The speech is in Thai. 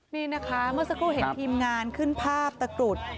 นี่นะคะเมื่อสักครู่เห็นทีมงานขึ้นภาพตะกรุด